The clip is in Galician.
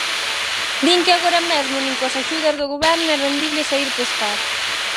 Din que agora mesmo nin coas axudas do Goberno é rendible saír pescar.